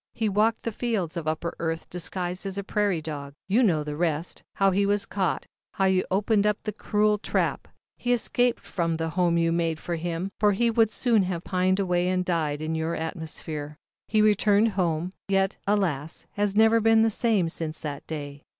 He walked the fields of Upper Earth disguised as a prairie dog. "You know the rest, how he was caught, how you opened the cruel trap. He escaped from the home you made for him, for he would soon have pined away and died in your atmosphere. 7 y \ ZAUBERLINDA, THE WISE WITCH. 141 "He returned home, yet, alas, has never been the same since that day.